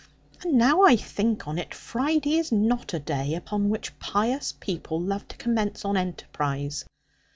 And now I think on it, Friday is not a day upon which pious people love to commence an enterprise.